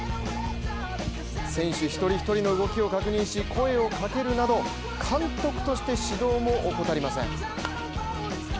選手１人１人の動きを確認し声をかけるなど監督として指導も怠りません。